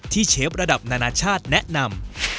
เชฟระดับนานาชาติแนะนำ